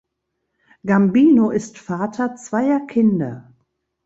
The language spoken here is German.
Gambino ist Vater zweier Kinder.